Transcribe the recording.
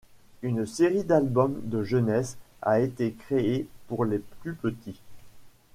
Une série d'albums de jeunesse a été créée pour les plus petits.